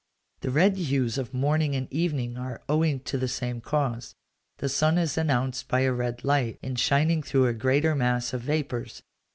The red hues of morning and evening are owing to the same cause. The sun is announced by a red light, in shining through a greater mass of vapours.